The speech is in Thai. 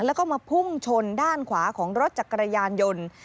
แล้วก็มาพุ่งชนด้านขวาของรถจักรยานยนต์